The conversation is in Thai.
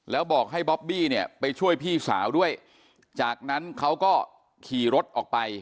แล้วบอกให้บอบบี้เนี่ยไปช่วยพี่สาวด้วยจากนั้นเขาก็ขี่รถออกไป